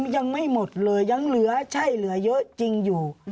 ยังไม่หมดเลยยังเหลือใช่เหลือเยอะจริงอยู่